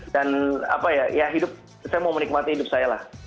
dan apa ya ya hidup saya mau menikmati hidup saya lah